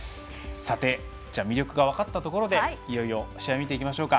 魅力が分かったところで試合を見ていきましょう。